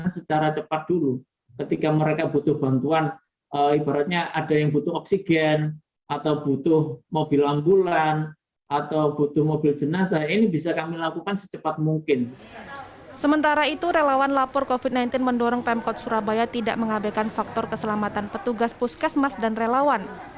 sementara itu relawan lapor covid sembilan belas mendorong pemkot surabaya tidak menghabiskan faktor keselamatan petugas puskesmas dan relawan